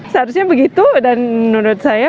seharusnya begitu dan menurut saya